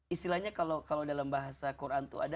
istilahnya kalau dalam bahasa quran itu ada